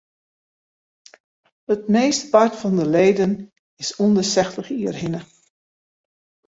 It meastepart fan de leden is om de sechstich jier hinne.